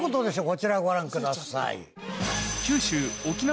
こちらをご覧ください。